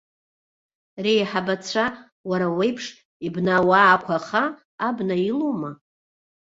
Реиҳабацәа, уара уеиԥш, ибнауаақәаха абна илоума?